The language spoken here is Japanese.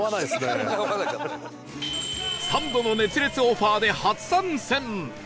サンドの熱烈オファーで初参戦！